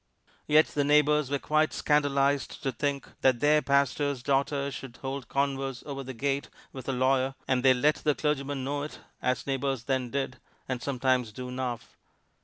Yet the neighbors were quite scandalized to think that their pastor's daughter should hold converse over the gate with a lawyer, and they let the clergyman know it as neighbors then did, and sometimes do now.